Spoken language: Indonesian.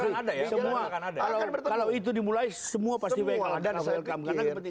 ucai minyak ada ya semua kan ada kalau itu dimulai semua pasti wkwk dan selkam